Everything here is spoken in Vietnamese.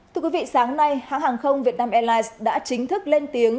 thưa quý vị sáng nay hãng hàng không vietnam airlines đã chính thức lên tiếng